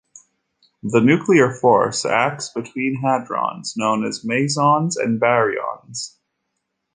The nuclear force acts between hadrons, known as mesons and baryons.